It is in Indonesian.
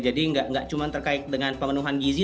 jadi nggak cuma terkait dengan pemenuhan gizi